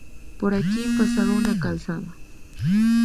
Por aquí pasaba una calzada.